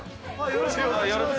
よろしくお願いします。